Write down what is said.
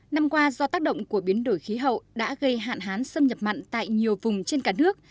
năm qua do tác động của biến đổi khí hậu đã gây hạn hán xâm nhập mặn tại nhiều vùng trên cả nước